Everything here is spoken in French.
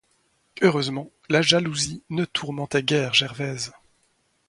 Heureusement, la jalousie ne tourmentait guère Gervaise.